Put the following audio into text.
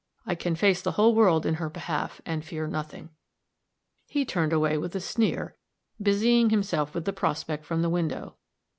I can face the whole world in her behalf, and fear nothing." He turned away with a sneer, busying himself with the prospect from the window.